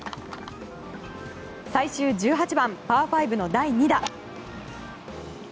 最終１８番、パー５の第２打。